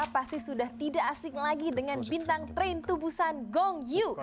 pasti sudah tidak asing lagi dengan bintang train tubusan gong yu